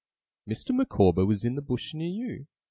'Mr. Micawber was in the Bush near you?